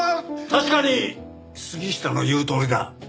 確かに杉下の言うとおりだ。